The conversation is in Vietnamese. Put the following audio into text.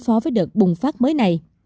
phó với đợt bùng phát mới này